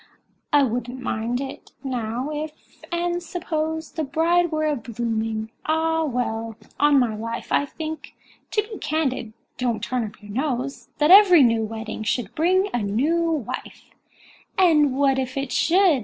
"I wouldn't much mind it, now—if—and suppose— The bride were a blooming—Ah! well—on my life, I think—to be candid—(don't turn up your nose!) That every new wedding should bring a new wife!" "And what if it should?"